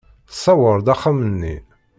Tṣewwer-d axxam-nni.